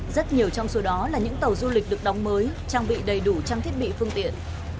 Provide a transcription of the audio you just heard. rất nhiều trong số đó là những tàu du lịch được đóng mới trang bị đầy đủ trang thiết bị phương tiện